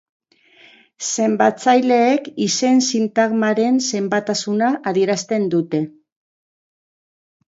Zenbatzaileek izen-sintagmaren zenbatasuna adierazten dute.